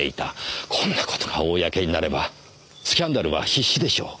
こんな事が公になればスキャンダルは必至でしょう。